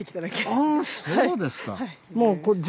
あそうですか。